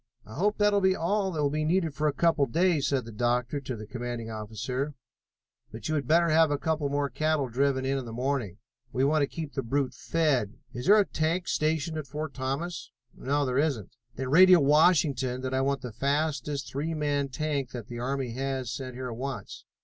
"I hope that will be all that will be needed for a couple of days," said the doctor to the commanding officer, "but you had better have a couple more cattle driven in in the morning. We want to keep the brute well fed. Is there a tank stationed at Fort Thomas?" "No, there isn't." "Then radio Washington that I want the fastest three man tank that the army has sent here at once.